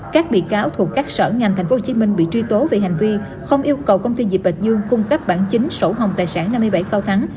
các bị cáo thuộc các sở ngành tp hcm bị truy tố về hành vi không yêu cầu công ty dịch bạch dương cung cấp bản chính sổ hồng tài sản năm mươi bảy cao thắng